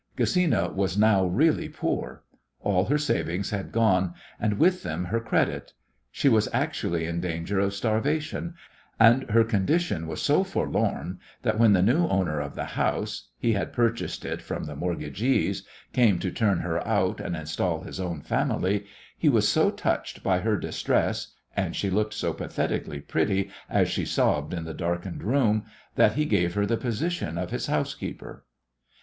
Gesina was now really poor. All her savings had gone, and with them her credit. She was actually in danger of starvation, and her condition was so forlorn that when the new owner of the house he had purchased it from the mortgagees came to turn her out and install his own family, he was so touched by her distress and she looked so pathetically pretty as she sobbed in the darkened room that he gave her the position of his housekeeper.